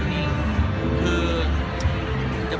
พออยู่บ้าน